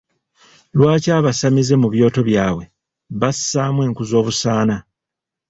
Lwaki abasamize mu byoto byabwe bassaamu enku z'obusaana?